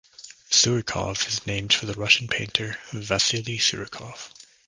Surikov is named for the Russian painter Vasily Surikov.